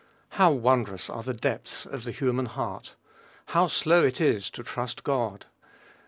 How wondrous are the depths of the human heart! How slow it is to trust God!